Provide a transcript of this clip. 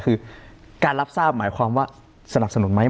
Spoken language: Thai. คือการรับทราบหมายความว่าสนับสนุนไหม